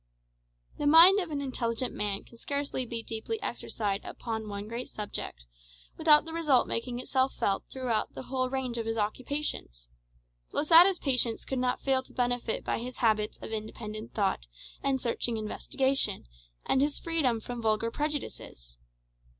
The mind of an intelligent man can scarcely be deeply exercised upon one great subject, without the result making itself felt throughout the whole range of his occupations. Losada's patients could not fail to benefit by his habits of independent thought and searching investigation, and his freedom from vulgar prejudices.